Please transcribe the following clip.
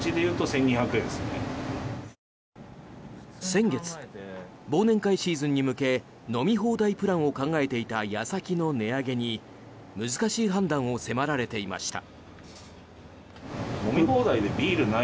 先月、忘年会シーズンに向け飲み放題プランを考えていた矢先の値上げに難しい判断を迫られていました。